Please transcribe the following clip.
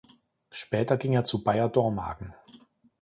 Später ging er zu Bayer Dormagen.